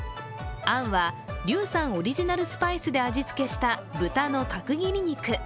あんは劉さんオリジナルスパイスで味付けした豚の角切り肉。